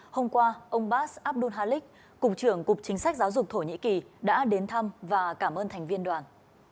hôm qua ông bas abdul halik cục trưởng cục chính sách giáo dục thổ nhĩ kỳ đã đến thăm và cảm ơn thành viên đoàn